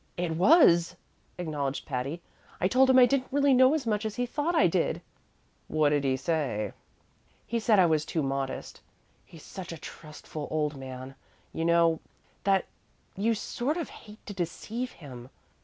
"It was," acknowledged Patty. "I told him I didn't really know as much as he thought I did." "What did he say?" "He said I was too modest. He's such a trustful old man, you know, that you sort of hate to deceive him.